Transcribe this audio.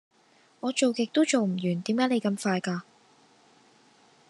我做極都做唔完點解你咁快㗎